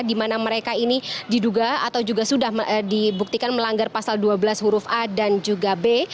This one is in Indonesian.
di mana mereka ini diduga atau juga sudah dibuktikan melanggar pasal dua belas huruf a dan juga b